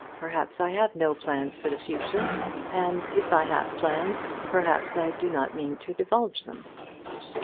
Perhaps I have no plans for the future; and if I have plans, perhaps I do not mean to divulge them."